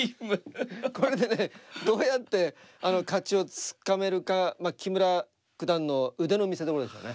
これでねどうやって勝ちをつかめるか木村九段の腕の見せどころですよね。